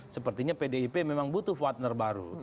sepertinya pdip memang butuh partner baru